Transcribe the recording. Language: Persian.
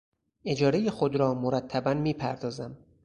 اجارهی خود را مرتبا میپردازم.